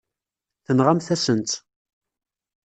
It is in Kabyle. Tenɣamt-asen-tt.